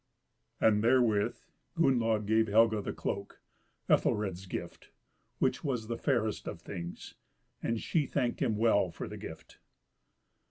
And therewith Gunnlaug gave Helga the cloak, Ethelred's gift, which was the fairest of things, and she thanked him well for the gift.